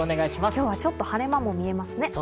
今日はちょっと晴れ間も見えますね。